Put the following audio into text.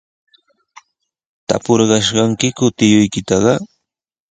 ¿Tapurqaykiku tiyuykitaqa?